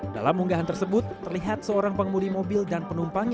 dalam unggahan tersebut terlihat seorang pengemudi mobil dan penumpangnya